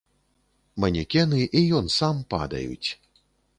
Манекены і ён сам падаюць.